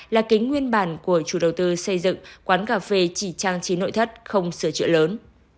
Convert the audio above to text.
là kính nguyên bản của chủ đầu tư xây dựng quán cà phê chỉ trang trí nội thất không sửa chữa lớn